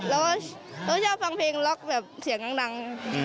แล้วเราชอบฟังเพลงล็อกแบบเสียงดัง